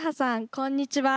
こんにちは。